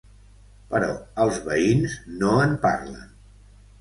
Però els veïns no en parlen.